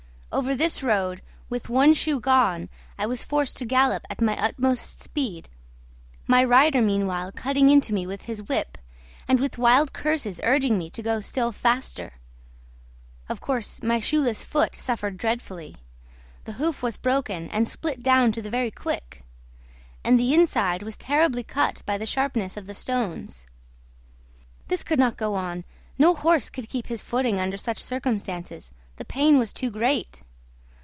Over this road, with one shoe gone, I was forced to gallop at my utmost speed, my rider meanwhile cutting into me with his whip, and with wild curses urging me to go still faster. Of course my shoeless foot suffered dreadfully; the hoof was broken and split down to the very quick, and the inside was terribly cut by the sharpness of the stones. This could not go on; no horse could keep his footing under such circumstances; the pain was too great.